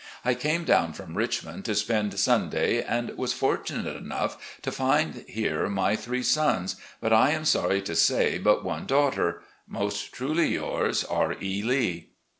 I came down from Rich mond to spend Sunday and was fortunate enough to find here my three sons, but I am sorry to say but one daugh ter. ... Most truly yours, "R. E. Lee."